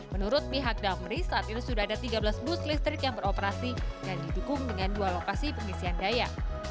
menurut pihak damri saat ini sudah ada tiga belas bus listrik yang beroperasi dan didukung dengan dua lokasi pengisian daya